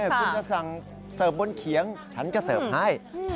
คุณจะสั่งเสิร์ฟบนเขียงฉันก็เสิร์ฟให้